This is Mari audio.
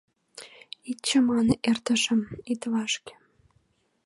Ит чамане эртышым, ит вашке –